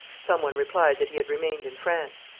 Some one replied that he had remained in France.